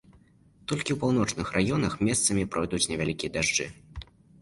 Толькі ў паўночных раёнах месцамі пройдуць невялікія дажджы.